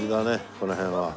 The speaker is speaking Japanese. この辺は。